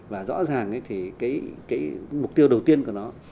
và rõ ràng thì cái mục tiêu đầu tiên của nó